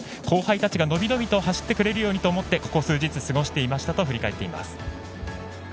後輩たちが伸び伸びと走ってくれるようにと思ってここ数日過ごしていましたと振り返っています。